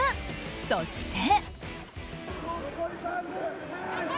そして。